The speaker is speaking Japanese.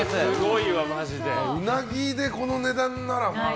うなぎでこの値段なら。